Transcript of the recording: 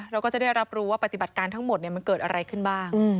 เราก็จะได้รับรู้ว่าปฏิบัติการทั้งหมดมันเกิดอะไรขึ้นบ้าง